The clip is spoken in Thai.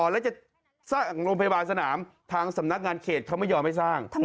แล้วจะสร้างโรงพยาบาลสนามทางสำนักงานเขตเขาไม่ยอมให้สร้าง